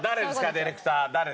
ディレクター誰ですか？